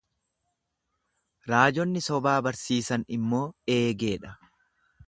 Raajonni sobaa barsiisan immoo eegee dha.